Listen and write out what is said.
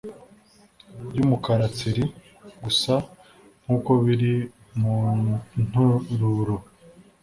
y’umukara tsiri gusa nkuko biri muntruro